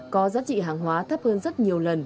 có giá trị hàng hóa thấp hơn rất nhiều lần